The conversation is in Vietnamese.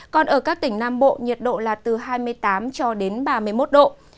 còn ở các tỉnh nam bộ nhiệt độ là từ hai mươi tám cho đến ba mươi một độ